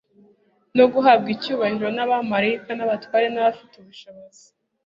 no guhabwa icyubahiro n'abamaraika n'abatware n'abafite ubushobozi.